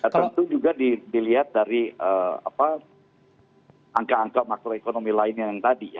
tentu juga dilihat dari angka angka makroekonomi lainnya yang tadi ya